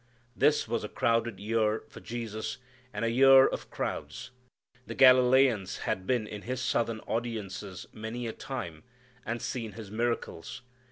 This was a crowded year for Jesus, and a year of crowds. The Galileans had been in His southern audiences many a time and seen His miracles.